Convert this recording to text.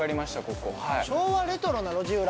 ここ昭和レトロな路地裏？